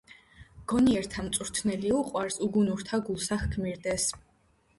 გონიერთა მწვრთელი უყვარს, უგუნურთა გულსა ჰგმირდეს.